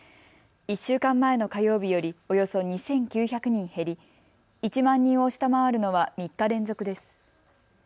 １週間前の火曜日よりおよそ２９００人減り、１万人を下回るのは３日連続です。